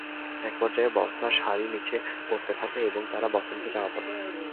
একপর্যায়ে বস্তার সারি নিচে পড়তে থাকে এবং তাঁরা বস্তার নিচে চাপা পড়েন।